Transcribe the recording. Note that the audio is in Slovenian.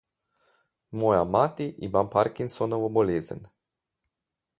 Moja mati ima Parkinsonovo bolezen.